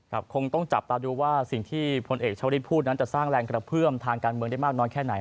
คงต้องจับตาดูว่าสิ่งที่พลเอกชาวฤทธิพูดนั้นจะสร้างแรงกระเพื่อมทางการเมืองได้มากน้อยแค่ไหน